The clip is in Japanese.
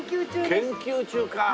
研究中かあ。